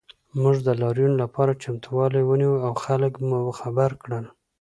موږ د لاریون لپاره چمتووالی ونیو او خلک مو خبر کړل